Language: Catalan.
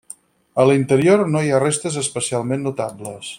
A l'interior no hi ha restes especialment notables.